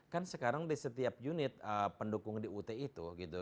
kan sekarang di setiap unit pendukung di ut itu gitu